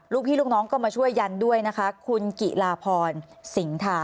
ลูกพี่ลูกน้องก็มาช่วยยันด้วยนะคะคุณกิลาพรสิงทา